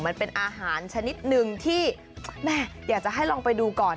มันเป็นอาหารชนิดหนึ่งที่แม่อยากจะให้ลองไปดูก่อน